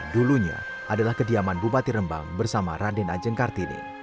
dulunya adalah kediaman bupati rembang bersama raden ajeng kartini